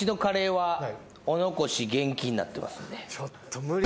ちょっと無理俺。